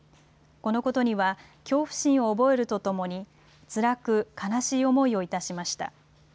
このことには恐怖心を覚えるとともに、つらく、悲しい思いをいたしました。